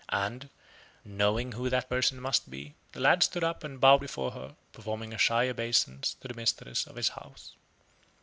And, knowing who that person must be, the lad stood up and bowed before her, performing a shy obeisance to the mistress of his house.